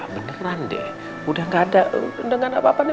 beneran deh udah gak ada dengan apa apanya